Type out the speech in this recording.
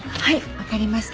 分かりました。